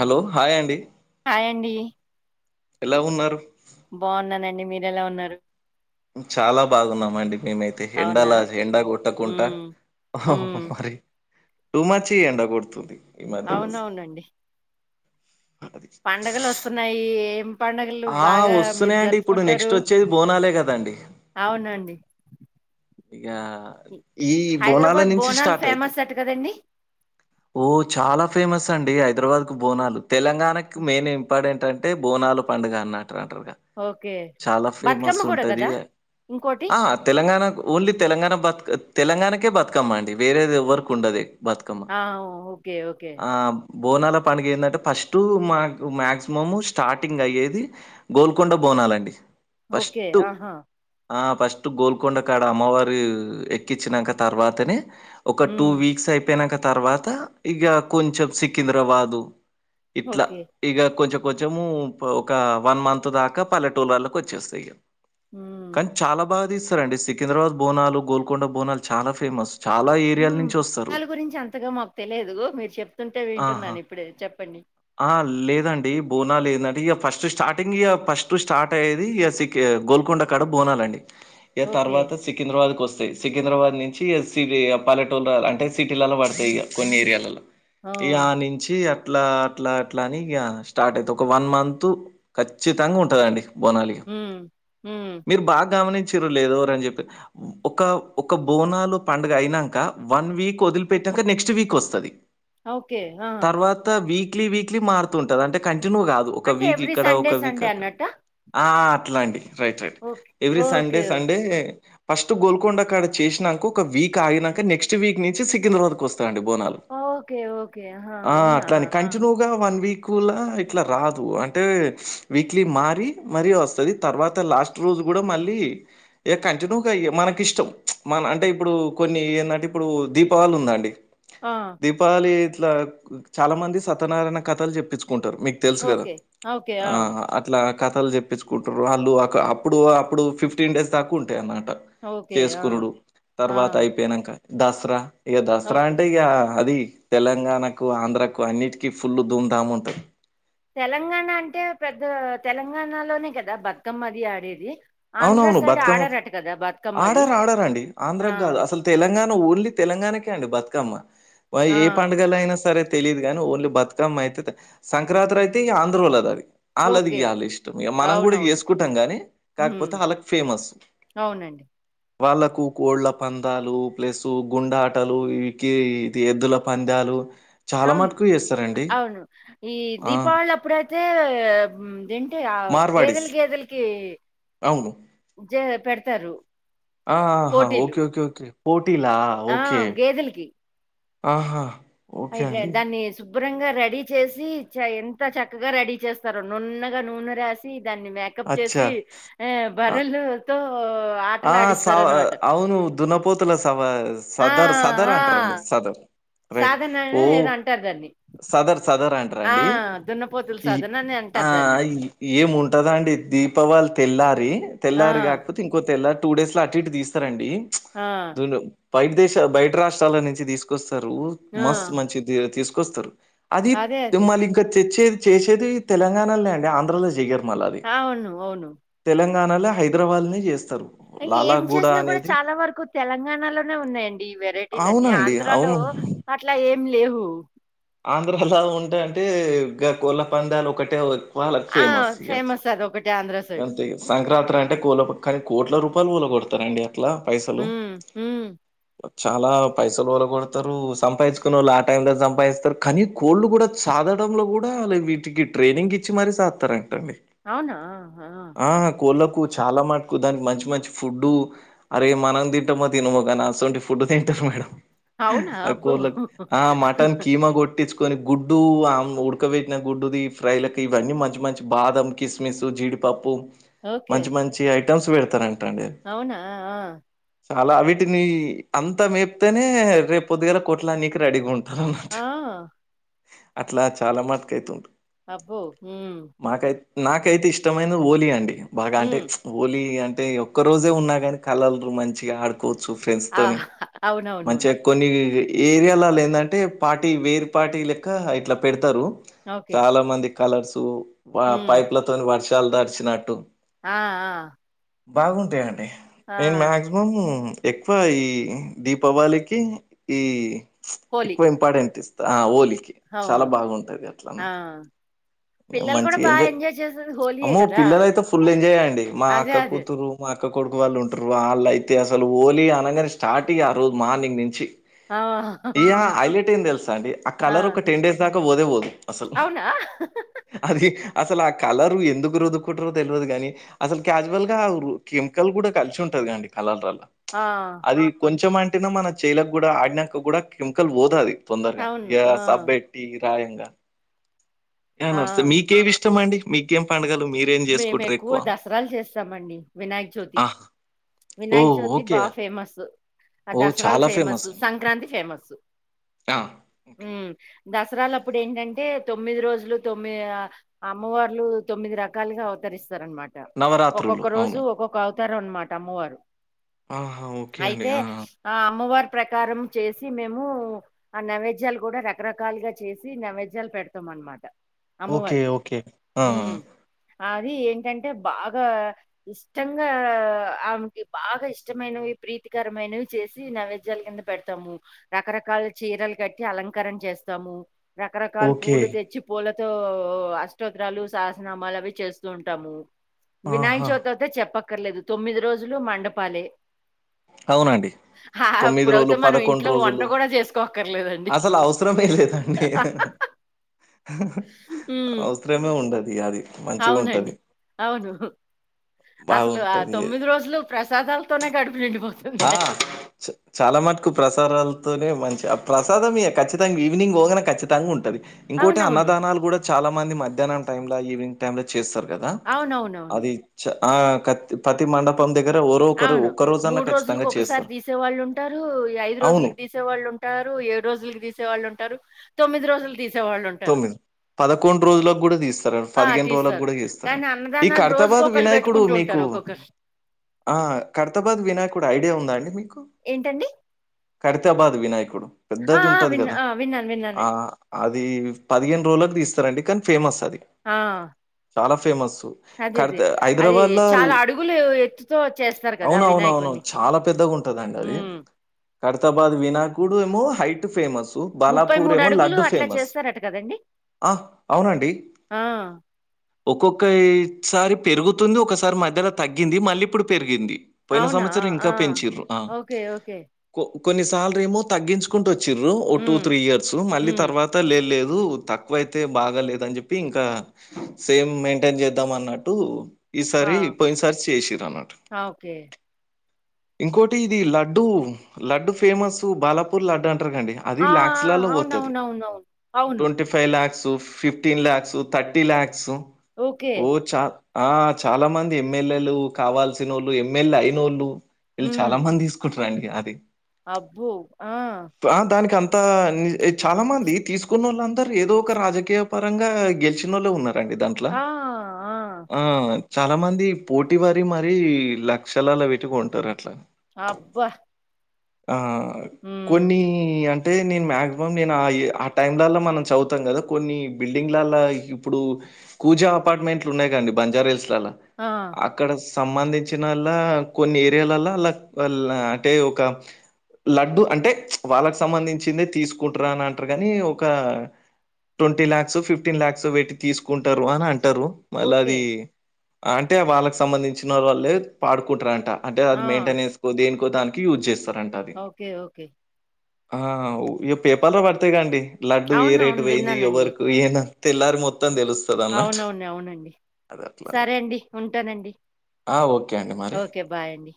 Hello hi అండి hi అండి ఎలా ఉన్నారు బాగున్నానండి మీరెలా ఉన్నారు చాలా బాగున్నాము అండి మేమైతే అవునా! ఎండలా ఎండ హ్మ్. కొట్టకుండా. హ్మ్. హ్ హ హ్మ్. మరి టూమచ్చి ఎండ కొడుతుంది ఈ మాధ్య అవునవునండి. అది పండుగలు వస్తున్నాయి ఏం పండుగలు ఆ బాగా మీరు వస్తున్నాయండి ఇప్పుడు జరుపుకుంటారు. నెక్స్ట్ వచ్చేది బోనాలే కదండి అవునండి ఇక ఇ ఈ బోనాల హైదరాబాద్ నుంచి బోనాలు స్టార్ట్ అయితాయి. ఫేమస్ అట కదండీ? ఓ చాలా ఫేమస్ అండి హైదరాబాద్ కు బోనాలు. తెలంగాణాకి మెయిన్ ఇంపార్టెంట్ అంటే బోనాలు పండుగ అన్నట్ అంటారుగా. ఓకే. చాలా ఫేమస్ బతుకమ్మ కూడా ఉంటది కదా ఇంకోటి? ఆ తెలంగాణాకు ఓన్లీ తెలంగాణకే బతుకమ్మ అండి వేరేది ఎవ్వరీకి ఉండదు ఇగ. బతుకమ్మా ఆ! ఓకే. ఓకే. ఆ బోనాల పండగ ఏందంటే ఫస్ట్ మాకు మాక్సిమము స్టార్టింగ్ అయ్యేది గోల్కొండ బోనాలండి ఓకే. ఫస్ట్ ఆహా! ఆ ఫస్ట్ గోల్కొండ అక్కడ అమ్మవారు ఎక్కించినాక తర్వాతనే ఒక టూ హ్మ్. వీక్స్ అయి పోయినాక తర్వాత ఇక కొంచెం సికింద్రాబాదు ఇట్లా ఓకే. ఇగ కొంచెం కొంచెము ఒక వన్ మంత్ దాకా పల్లెటూలళ్ళకి వచ్చేస్తాయి. హ్మ్. కానీ చాలా బాగా తీస్తారండి సికింద్రాబాద్ బోనాలు, గోల్కొండ బోనాలు చాలా ఫేమస్. చాలా ఏరియాల నుంచొస్తారు. బోనాలు గురించి అంతగా మాకు తెలియదు మీరు చెప్తుంటే ఆహా! వింటున్నాను ఇప్పుడే చెప్పండి. ఆ లేదండి బోనా లేదంటే ఇక ఫస్ట్ స్టార్టింగ్ ఇక ఫస్ట్ స్టార్ట్ అయ్యేది ఇక సి గోల్కొండ కాడ బోనాలు అండి నేను ఓకే. తర్వాత సికింద్రాబాద్ కు వస్తాయి. సికింద్రాబాద్ నుంచి పల్లెటూర్లలో అంటే సిటీలలా పడతాయి ఇగ కొన్ని ఏరియాలలో ఆ! ఇగ ఆనుం చీ అట్లా అట్లా అట్లా అని స్టార్ట్ అయితాయి. ఒక వన్ మంత్ ఖచ్చితంగా ఉంటాది అండి బోనాలిగ. మ్ మ్ మీరు బాగా గమనించిరో లేదో ఎవరు అని చెప్పి ఒక ఒక బోనాలు పండుగ అయినాక వన్ వీక్ వదిలిపెట్టాక నెక్స్ట్ వీక్ వస్తాది. ఓకే ఆ వీక్లీ వీక్లీ మారుతుంటాది అంటే కంటిన్యూ కాదు ఒక అంటే వీక్ ఎవ్రీ ఇక్కడ సండే, ఒక వీక్ సండే అక్కడ అన్నట్టా? ఆ అట్లా అండి right right okay. Every Sunday okay. Sunday first Golconda కాడ చేసినాక ఒక వీక్ ఆగినాక నెక్స్ట్ వీక్ నుంచి సికింద్రాబాద్ కి వస్తాయండి బోనాలు. ఓకే ఓకే ఆ అవునా వన్ వీక్లా ఇట్లా రాదు. అంటే వీక్లీ మారి మరి వస్తాది తర్వాత లాస్ట్ రోజు కూడా మళ్ళీ ఇగ కంటిన్యూ మనకి ఇష్టం మన అంటే ఇప్పుడు కొన్ని ఏంటంటే ఇప్పుడు దీపావళి ఉంద అండి ఆ దీపావళి ఇట్లా చాలా మంది సత్యనారాయణ కథలు చెప్పించుకుంటారు మీకు తెలుసు కదా ఓకే. ఓకే. ఆ అట్లా కథలు చెప్పించుకుంటారు. వాళ్ళు ఒక అప్పుడు అప్పుడు ఫిఫ్టీన్ డేస్ దాక ఉంటాయి అన్నమాట. ఓకే. ఆ! చేసుకొనుడు ఆ! తర్వాత అయిపోయినాక దసరా ఇగ దసరా ఓకే. అంటే ఇగ అది తెలంగాణకు, ఆంధ్రాకు అన్నిటికీ ఫుల్లు ధూమ్ ధాం ఉంటాది. తెలంగాణ అంటే పెద్ద తెలంగాణలోనే కదా బతుకమ్మ అది ఆడేది. ఆంధ్ర అవునవును సైడ్ బతుకమ్మ ఆడరట కదా! బతుకమ్మది. ఆడర్ ఆడరాండి ఆ! ఆంధ్రాకి కాదు అసల్. తెలంగాణ ఓన్లీ తెలంగాణకే అండి బతుకమ్మ ఆ! ఏ పండుగల కైఅయినా సరే. తెలియదు కాని ఓన్లీ బతుకమ్మ అయితే సంక్రాంతి అయితే ఈ ఆంధ్రలో దది. వాళ్ళది ఓకే. చాల ఇష్టం ఇ మనం కూడా అవునవును. చేసుకుంటాం గాని. హ్మ్. కాకపోతే వాళ్ళకి ఫేమస్. అవునండి. వాళ్ళలకు కోళ్ళ పందాలు ప్లస్ గుండాటలు ఇకి ఎద్దుల. పందాలు చాలా అవును. మటుకు చేస్తారు. అవును ఈ దీపావళి అప్పుడైతే. దేన్టే ఆ గేదెల మార్వాడీస్. గేదెలకి. అవును. జె పెడతారు. ఆహా పోటీలు ఓకే ఓకే ఓకే పోటీలా. ఆ ఓకే. గేదెలకి. ఆహా. ఓకే అట్లే అండి. దాన్ని. శుభ్రంగా రెడీ చేసి చ ఎంత చక్కగా రెడీ చేస్తారో నున్నగా నూనె రాసి దాన్ని మ్యాక్. ప్ అచ్చా! చేసి ఏఏ ఆ! బర్రెలుతో. ఆ సావా అవును దున్న పోతుల సవా ఆ సదర్ సదర్ ఆ అంటారండి సదర్ రైట్ సాధన ఓ. ఏదో అంటారు దాన్ని సదర్ సదర్ ఆ అంటరండి దున్నపోతుల ఈ సాధన అని ఆ అంటారు దాన్ని ఈ. ఏముండదండి దీపావళి తెల్లారి ఆ తెల్లారి కాకపోతే ఇంకా. కొతే ఎలా టూ డేస్ లో అటు ఇటు తీస్తారండి ఆ దును. బయట దేశ బయట రాష్ట్రాల నుంచి తీసుకొస్తారు ఆ మస్ మంచి తీసుకొస్తారు. అది అదే అదే మళ్ళీ ఇంకా తెచ్చేది చేసేది తెలంగాణలో అండి ఆంధ్రలో జెయరు. అవును ఓను. తెలంగాణలో హైదరాబాద్ల చేస్తారు. అ ఏం చేసినా కూడా చాలా వరకు తెలంగాణలోనే ఉన్నాయండి ఈ వెరైటీలన్నీ అవునండి ఆంధ్రాలో. అవును అట్లా ఏం లేవు. ఆంధ్రలా ఉంటా అంటే గ కోళ్ళ పందాలు ఒకటే ఎక్కువ వాళ్ళకి ఫేమస్ ఇక. అదొక్కటే ఆంధ్రస్. అంతే సంక్రాంతి అంటే కూల కానీ కోట్ల రూపాయలు కూల కొలగొడతారండిగా. లా పైసలు. హ్మ్. హ్మ్. చాలా పైసలు వాళ్ల కొడతారు సంపాదించుకునే వాళ్ళు ఆ టైమ్ లో సంపాదిస్తారు కానీ. కోళ్ళ కూడా చదడంలో కూడా వీటికి ట్రైనింగ్ ఇచ్చి మరీ సాస్తారంటండి. అవునా ఆ. ఆ కోళ్ళకు చాలా మటుకు దానికి మంచి మంచి ఫుడ్డు. అరే మనం తింటామో తినమో గాని అసమంటి ఫుడ్ తింటారు మేడం. అవునా? అ అబ్బో! కోర్ల ఆ మటన్ కిమ కొటిచ్చ. కని గుడ్డు ఉడకబట్న గుడ్డుది ఫ్రై లలకు ఇవన్నీ మంచి మంచి బాదం కిస్మిసు జీడి. పప్పు ఓకే. మంచి మంచి ఐటమ్స్ పెడతారంట అండి. అవునా ఆ. చాలా వీటిని అంతా మేప్తేనే రేపు పొద్దుగాల కొట్లా నీకి రెడీగా ఉన్. ఆ! అట్లా చాలా మటకు అవుతుంట. అబ్బో ఊ. మాకైతే నాకైతే ఇష్టమైన హోలీ అండి బాగా అంటే హ్మ్. హోలీ అంటే. ఒక రోజే ఉన్నా కాని కలల్రు మంచిగా ఆడుకోవచ్చు ఆ! ఫ్రెండ్స్‌తోని మంచిగా అవునవునవును. కొన్ని ఏరియాలలో ఏందంటే పార్టీ వేర్ పార్టీ లెక్క ఇట్లా పెడతారు ఓకే. చాలా మంది కలర్సు వా హ్మ్. పైప్లతోని వర్షాలు తడిచినట్టు ఆ ఆ బాగుంటాయండి ఆ! నేను మాక్సి మం ఎక్కువ ఈ దీపావళికి ఈ హోలీ. ఎక్కువ ఇంపార్టెంట్ ఇస్తా ఆ హోలీకి ఆ! చాలా బాగుంటది అట్లా నా ఆ పిల్లలు కూడా మంచిగా బా ఎంజాయ్ చేసేది హోలీయే అమ్మో గదా! పిల్లలైతే ఫుల్ ఎంజాయ్ అండి మా అదే. అక్క అదే. కూతురు మా అక్క కొడుకు వాళ్ళు ఉంటారు వాళ్ళు అయితే అసలు హోలీ అనగానే స్టార్ట్ ఇగ ఆరోజు మార్నింగ్ నుంచి ఆ ఆహ ఇగ హైలైట్ ఏం తెలుసాండి ఆ కలర్ ఒక టెన్ డేస్ దాకా పోదే పోదు అసలు. అవునా అది అసలు ఆ కలరు ఎందుకు రుద్దుకుంటారో తెలువదు గాని అసలు క్యాజువల్‌గా కెమికల్ కూడా కలిసి ఉంటది కదండీ కలర్లలా ఆ అది కొంచెం అంటినా మన చేయిలకు కూడా ఆడ్నంక కూడా కెమికల్ పోదు అది తొందరగా అవును. ఇగ ఆ! సబ్బెట్టి రాయంగా య ఆ! నర్సే మీకేమి ఇష్టమండి మీకేం పండగలు మీ మేము ఎక్కువ దసరాలు చేస్తామండి వినాయక చవితి ఆ! ఓ వినాయక చవితి బా ఓకే. ఫేమస్ ఆ ఓ దసరాలు చాలా ఫేమస్ అండి. సంక్రాంతి ఫేమస్ ఆ! ఓకే. ఉమ్మ్ దసరాలు అప్పుడు ఏంటంటే తొమ్మిది రోజులు తొమ్మి అమ్మవార్లు తొమ్మిది ర కాలుగా అవతరిస్తారు అనమాట నవరాత్రులు ఒక్కొక్క రోజు అవును. ఒక్కొక్క అవ తారు అనమాట అమ్మవారు ఆహా! ఓకే అండి. అయితే ఆ! ఆ అమ్మవారి ప్రకారం చేసి మేము ఆ నైవేద్యాలు కూడా రకరకాలుగా చేసి నైవేద్యాలు పెడతాం అనమాట ఓకే. అమ్మవారికి ఓకే. ఆ! ఆ! ఉమ్మ్ అది ఏంటంటే బాగా ఇష్టంగా ఆమెకి బాగా ఇష్టమైనవి ప్రీతికరమైనవి చేసి నైవేద్యాల కింద పెడతాము రకరకాల చీరలు కట్టి అలంకారం చేస్తాము రకరకాల ఓకే పూలు తెచ్చి పూలతో అష్టోత్తరాలు సహా నామాలు అవి చేస్తూ ఉంటాము వినాయక ఆహా! చవితి అయితే చెప్ప అక్కర్లేదు తొమ్మిది రోజులు మండపాలే అవునండి హా, తొమ్మిది అప్పుడైతే రోజులు మనం పదకొండు ఇంట్లో వంట రోజులు గూడా చేసుకోక్కర్లేదండి. అసలు అవసరమే లేదండి హ్మ్. అవసరమే ఉండది అది అవునండి మంచిగుంటది. అవును అసలు ఆ బాగుంటది. తొమ్మిది రోజులు ప్రసాదాలతోనే కడుపు నిండిపోతు ఆ చాలా మటుకు ప్రసారాలతోనే మంచి ఆ ప్రసాదమే ఖచ్చితంగా ఈవినింగ్ పోగనే ఖచ్చితంగా ఉంటది ఇంకోటి అవునవును. అన్నదానాలు కూడా చాలా మంది మధ్యాహ్నం టైంలో ఈవినింగ్ టైంలో చేస్తారు కదా అవునవునవును. అది చ ఆ కతి పతి మండపం దగ్గర ఒరో ఒకరు అవును. ఒక్క రోజన్నా ఖచ్చిత రోజులకి ఒకసారి తీసేవాళ్ళు ఉంటారు ఈ ఐదు అవును. రోజులకు తీ తీసే వాళ్ళు ఉంటారు ఏడు రోజులకి తీసేళ్ళు ఉంటారు తొమ్మిది రోజులుకి తీసేవాళ్ళు ఉం తొమ్మిది పదకొండు రోజులకు గూడా తీస్తారండి ఆ! పదిహేను రోజులకు తీస్తారు. గూడా తీస్తారండి ఈ కర్తవాద్ వినాయకుడు మీకు సార్ ఒకొక్కర్ ఆ కర్తబాద్ వినాయకుడు ఐడియా ఉందా అండి మీకు ఏంటండి కరితాబాద్ వినాయకుడు ఆ! పెద్దది ఆ! ఉంటది విన్నా గదా ఆ! విన్నాను. ఆ విన్నానండి. అది పదిహేను రోజులకి తీస్తారండి కానీ ఫేమస్ అది ఆ చాలా ఫేమస్సు అదే అదే అది చాలా అడుగులు ఎత్తుతో చేస్తారు గదా అవునవునవును వినాయకుడిని చాలా పెద్దగా ఉంటుదండి అది హ్మ్. కరితాబాద్ వినాయకుడు ఏమో హైట్ ఫేమస్ బాలాపూర్ ఏమో లడ్డు ఫేమస్ గదండి ఆ అవునండి ఒక్కొక్కసారి పెరుగుతుంది ఒకసారి మధ్యలో తగ్గింది మళ్ళీ ఇప్పుడు పెరిగింది పోయిన అవునా? సంవస్సరం ఇంకా ఆ! పెంచ్చిర్రు ఆ ఓకే. ఓకే. కొన్ని సర్లే ఏమో తగ్గించుకుంటూ వచ్చిర్రు ఓ టూ హ్మ్. త్రీ ఇయర్స్ మళ్ళీ హ్మ్. తర్వాత లే లేదు తక్కువయితే బాగా లేద్ అని చెప్పి ఇంకా సేమ్ మెయింటైన్ చేద్దాం అన్నట్టు ఈసారి ఆ! పోయిన సారి చేసిర్ అన్నట్టు ఆ! ఓకే. ఇంకోటి ఇది లడ్డు లడ్డు ఫేమస్ బాలాపూర్ లడ్డు అంటార్ గాఅండి అది లాక్స్ లాలో పోతది అవునవును twenty five lakhs fifteen lakhs thirty lakhs okay. ఓ చా ఆ చాలా మంది ఎమ్మెల్యేలు కావాలిస్ నోళ్ళు ఎమ్మెల్యే అయినోళ్ళు వీళ్ళు హ్మ్. చాలా మంది తీసుకుంటారండి అది అబ్బో ఆ ఆ దానికి అంతా చాలా మంది తీసుక్ తిసుకున్న వాళ్ళందరు ఏదో ఒక రాజకీయ పరంగా గెలిచిన నోళ్ళు ఉన్నారు అండి దాంట్ల ఆ! ఆ చాలా మంది పోటీ పడి మరి లక్షలాల పెట్టుకు కొంటారు అట్లా అబ్బా ఆ హ్మ్. కొన్ని అం అంటే నేను మా యాక్సిమం నేను ఆ ఆ టైంలలో మనం చదువుతాం గదా కొన్ని బిల్డింగ్లలా ఇప్పుడు కూజా అపార్ట్మెంట్లు ఉన్నాయి కాండి బంజార్ హిల్స్ లాల ఆ అక్కడ సంబంధించినలా కొన్ని ఏరియాలలో అలా అంటే ఒక లడ్డు అంటే వాళ్ళకి సంబంధించిందే తీసుకుంటార అని అంటారు గాని ఒక ట్వంటీ ల్యాక్స్ ఫిఫ్టీన్ లలాక్స్ పెట్టి తీసుకుంటారు అని అంటారు మళ్ళ ఓకే. అది అంటే వాళ్ళకి సంబంధించిన వాళ్ళే పాడుకుంటారంట అంటే ఆ! అది మెయింటనెన్స్ కో దేనికో దానికి యూజ్ చేస్తారం ఓకే ఓకే ఆ ఇగా పేపర్లో పడతాయి గాండి లడ్డు ఏ రేటు అవునవును. పో యింది విన్నానండి. ఎవరికు ఎంది తెల్లారి మొత్తం తెలుస్త అవునవును అవునండి సరే అండి ఉంటానండి ఆ ఓకే అండి మరి ఓకే బాయ్ అండి